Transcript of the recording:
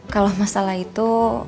kalau masalah itu